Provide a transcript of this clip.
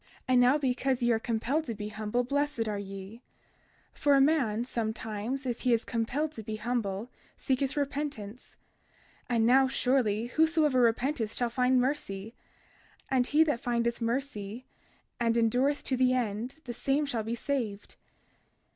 32:13 And now, because ye are compelled to be humble blessed are ye; for a man sometimes, if he is compelled to be humble, seeketh repentance; and now surely, whosoever repenteth shall find mercy; and he that findeth mercy and endureth to the end the same shall be saved.